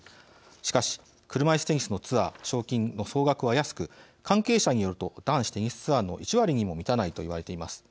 しかし、車いすテニスのツアー賞金の総額は安く関係者によると男子テニスツアーの１割にも満たないと言われています。